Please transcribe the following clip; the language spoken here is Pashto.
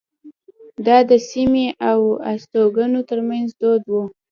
دا د سیمې د استوګنو ترمنځ دود وو.